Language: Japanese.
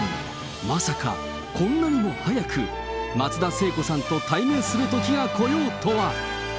まさかこんなにも早く、松田聖子さんと対面するときがこようとは。